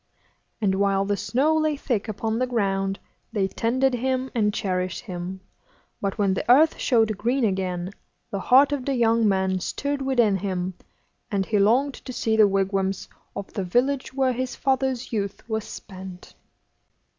And while the snow lay thick upon the ground, they tended him and cherished him; but when the earth showed green again, the heart of the young man stirred within him, and he longed to see the wigwams of the village where his father's youth was spent.